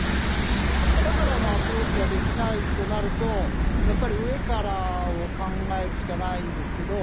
下からのアプローチができないとなるとやっぱり上からを考えるしかないんですけど。